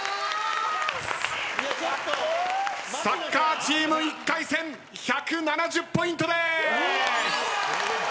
サッカーチーム１回戦１７０ポイントです！